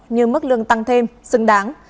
như mức lương tăng thêm xứng đáng